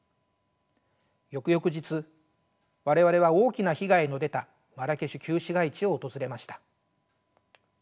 翌々日我々は大きな被害の出たマラケシュ旧市街地を訪れました。